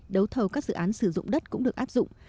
đấu thầu các dự án sử dụng đất cũng được áp dụng